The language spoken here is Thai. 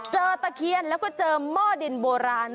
ตะเคียนแล้วก็เจอหม้อดินโบราณ